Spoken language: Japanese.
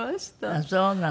ああそうなの。